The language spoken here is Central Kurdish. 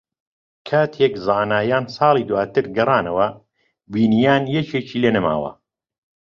کاتێک زانایان ساڵی داواتر گەڕانەوە، بینییان یەکێکی لێ نەماوە